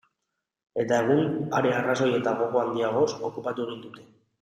Eta egun, are arrazoi eta gogo handiagoz, okupatu egin dute.